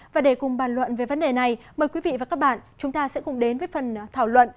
và để cùng bàn luận về vấn đề này mời quý vị và các bạn chúng ta sẽ cùng đến với phần thảo luận